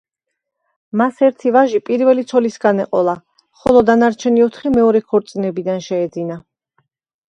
მას ერთი ვაჟი პირველი ცოლისაგან ეყოლა, ხოლო დანარჩენი ოთხი მეორე ქორწინებიდან შეეძინა.